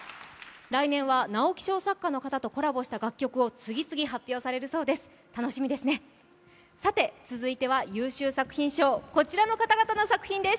来年は直木賞作家の方とコラボした曲を次々発表されるそうです。